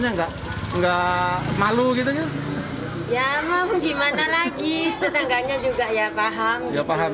ya mau gimana lagi tetangganya juga ya paham